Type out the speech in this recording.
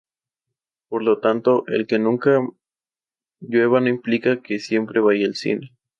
Por lo tanto, el que nunca llueva no implica que siempre vaya al cine.